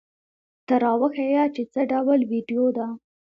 ته را وښیه چې څه ډول ویډیو ده؟